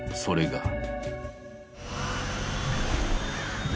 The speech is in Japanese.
それが。